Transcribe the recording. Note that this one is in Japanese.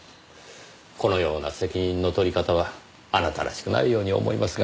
このような責任の取り方はあなたらしくないように思いますが。